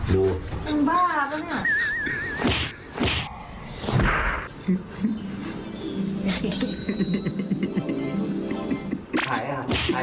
ดูมันบ้าแล้วเนี่ย